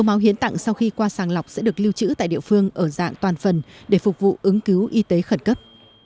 lượng sau khi qua sàng lọc sẽ được lưu trữ tại địa phương ở dạng toàn phần để phục vụ ứng cứu y tế khẩn cấp